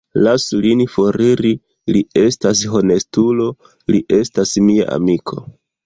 Lasu lin foriri; li estas honestulo; li estas mia amiko!